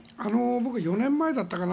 僕は４年前だったかな